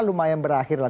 ya lumayan berakhir lah